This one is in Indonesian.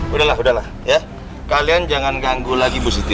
udah lah udah lah ya kalian jangan ganggu lagi bu siti